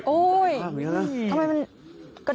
โอ๊ยทำไมมันกระดกสูงขนาดนั้นหรือโอ้โหพี่โต้นพี่ปุ้ย